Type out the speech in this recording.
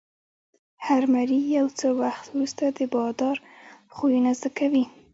هر مریی یو څه وخت وروسته د بادار خویونه زده کوي.